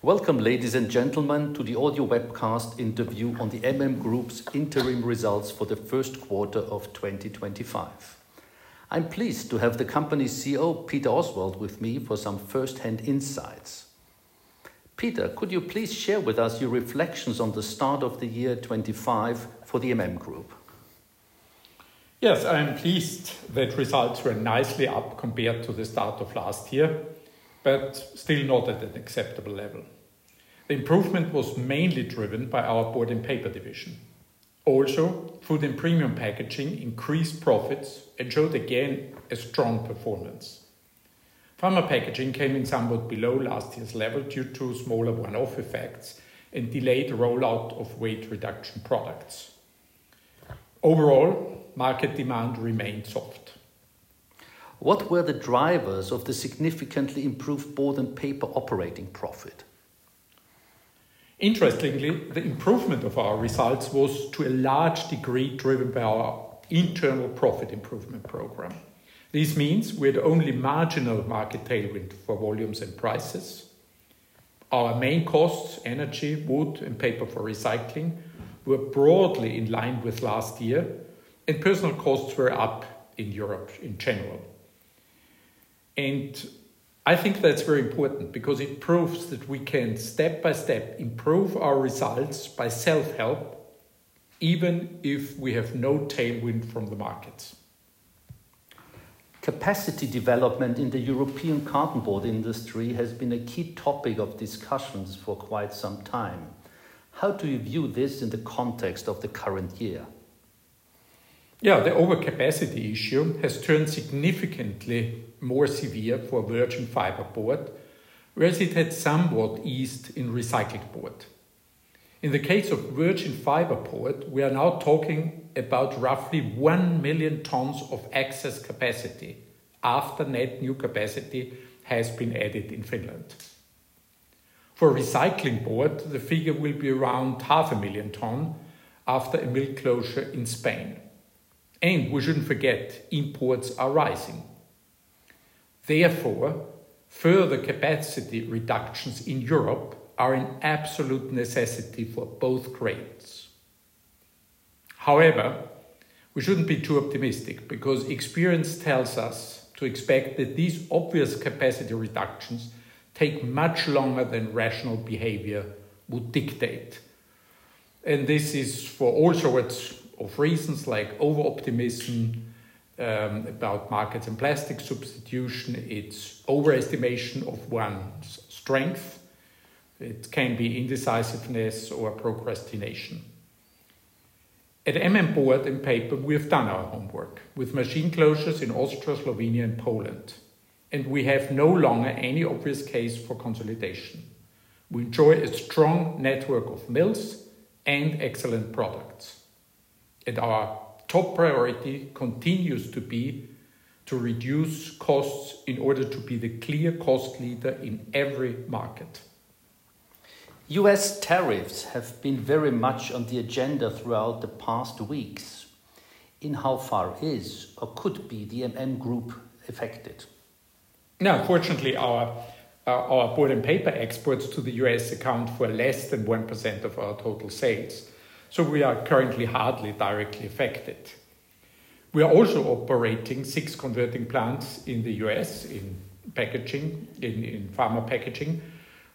Welcome, ladies and gentlemen, to the audio webcast interview on the MM Group's interim results for the first quarter of 2025. I'm pleased to have the Company CEO, Peter Oswald, with me for some first-hand insights. Peter, could you please share with us your reflections on the start of the year 2025 for the MM Group? Yes. I am pleased that results were nicely up compared to the start of last year, but still not at an acceptable level. The improvement was mainly driven by our MM Board & Paper division. Also MM Food & Premium Packaging increased profits and showed again a strong performance. MM Pharma & Healthcare Packaging came in somewhat below last year's level due to smaller one-off effects and delayed rollout of weight reduction products. Overall, market demand remained soft. What were the drivers of the significantly improved Board & Paper operating profit? Interestingly, the improvement of our results was to a large degree driven by our internal profit improvement program. This means we had only marginal market tailwind for volumes and prices. Our main costs, energy, wood, and paper for recycling, were broadly in line with last year, and personal costs were up in Europe in general. I think that's very important because it proves that we can step by step improve our results by self-help even if we have no tailwind from the markets. Capacity development in the European cartonboard industry has been a key topic of discussions for quite some time. How do you view this in the context of the current year? Yeah. The overcapacity issue has turned significantly more severe for virgin fiber board, whereas it had somewhat eased in recycled board. In the case of virgin fiber board, we are now talking about roughly 1 million tons of excess capacity after net new capacity has been added in Finland. For recycled board, the figure will be around half a million ton after a mill closure in Spain. We shouldn't forget imports are rising. Therefore, further capacity reductions in Europe are an absolute necessity for both grades. However, we shouldn't be too optimistic because experience tells us to expect that these obvious capacity reductions take much longer than rational behavior would dictate. This is for all sorts of reasons, like overoptimism about markets and plastic substitution. It's overestimation of one's strength. It can be indecisiveness or procrastination. At MM Board & Paper, we have done our homework with machine closures in Austria, Slovenia, and Poland, and we have no longer any obvious case for consolidation. We enjoy a strong network of mills and excellent products, and our top priority continues to be to reduce costs in order to be the clear cost leader in every market. U.S. tariffs have been very much on the agenda throughout the past weeks. In how far is or could be the MM Group affected? Fortunately, our Board & Paper exports to the U.S. account for less than 1% of our total sales, so we are currently hardly directly affected. We are also operating six converting plants in the U.S. in packaging, in Pharma Packaging,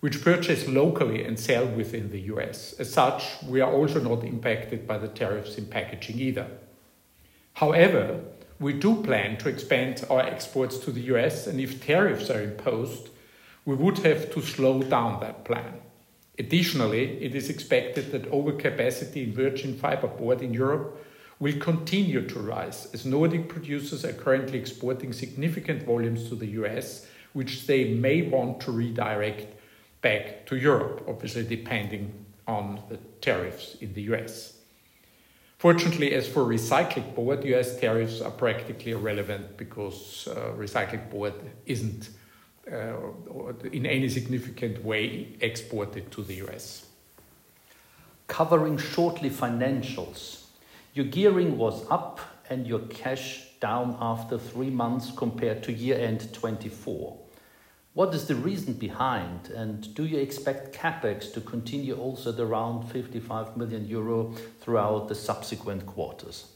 which purchase locally and sell within the U.S. As such, we are also not impacted by the tariffs in packaging either. We do plan to expand our exports to the U.S., and if tariffs are imposed, we would have to slow down that plan. It is expected that overcapacity in virgin fiber board in Europe will continue to rise as Nordic producers are currently exporting significant volumes to the U.S., which they may want to redirect back to Europe, obviously depending on the tariffs in the U.S. Fortunately, as for recycled board, U.S. tariffs are practically irrelevant because recycled board isn't or in any significant way exported to the U.S. Covering shortly financials. Your gearing was up and your cash down after three months compared to year-end 2024. What is the reason behind, and do you expect CapEx to continue also at around 55 million euro throughout the subsequent quarters?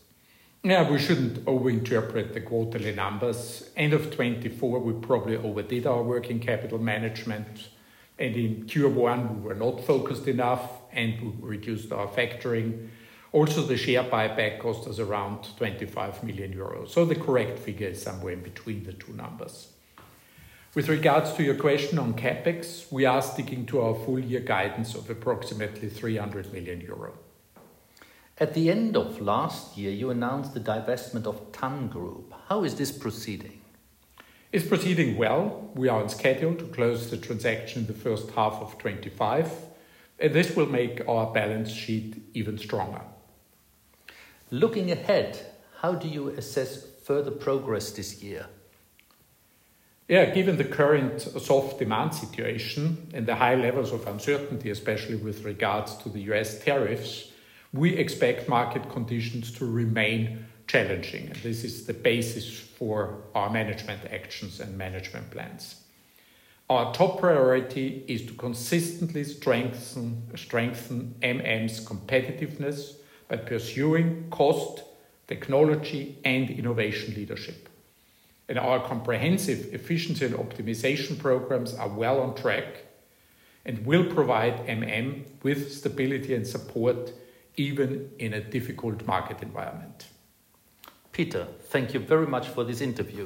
We shouldn't overinterpret the quarterly numbers. End of 2024, we probably overdid our working capital management, and in Q1 we were not focused enough, and we reduced our factoring. Also, the share buyback cost us around 25 million euros, so the correct figure is somewhere in between the two numbers. With regards to your question on CapEx, we are sticking to our full year guidance of approximately 300 million euro. At the end of last year, you announced the divestment of TANN Group. How is this proceeding? It's proceeding well. We are on schedule to close the transaction the first half of 2025. This will make our balance sheet even stronger. Looking ahead, how do you assess further progress this year? Yeah. Given the current soft demand situation and the high levels of uncertainty, especially with regards to the U.S. tariffs, we expect market conditions to remain challenging, and this is the basis for our management actions and management plans. Our top priority is to consistently strengthen MM's competitiveness by pursuing cost, technology, and innovation leadership. Our comprehensive efficiency and optimization programs are well on track and will provide MM with stability and support even in a difficult market environment. Peter, thank you very much for this interview.